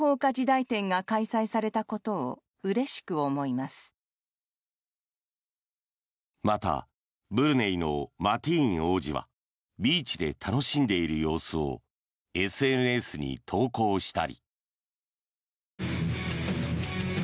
またブルネイのマティーン王子はビーチで楽しんでいる様子をＳＮＳに投稿したり。